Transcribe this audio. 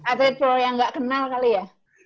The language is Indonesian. atlet pro yang gak kenal kali ya